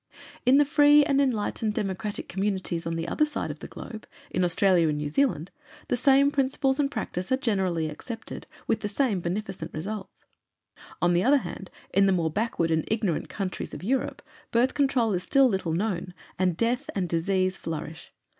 In the free and enlightened Democratic communities on the other side of the globe, in Australia and New Zealand, the same principles and practice are generally accepted, with the same beneficent results. On the other hand, in the more backward and ignorant countries of Europe, Birth Control is still little known, and death and disease flourish.